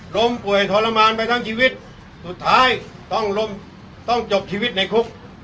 ล้มป่วยทรมานไปทั้งชีวิตสุดท้ายต้องล้มต้องจบชีวิตในคุก